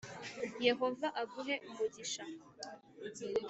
Yehova aguhe umugisha